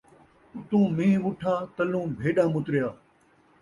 اتوں مینہ وُٹھا، تلوں بھیݙاں مُتریا